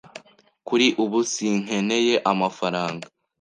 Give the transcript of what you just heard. Kuri ubu, sinkeneye amafaranga.